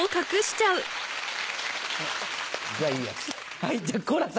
じゃあいいやつ。